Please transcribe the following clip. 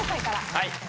はい。